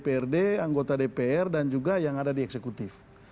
pada kader yang misalnya anggota dprd anggota dpr dan juga yang ada di eksekutif